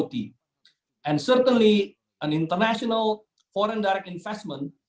dan tentu saja investasi di luar negara adalah sesuatu yang ingin dilakukan